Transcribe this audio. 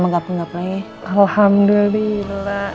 megap megap lagi alhamdulillah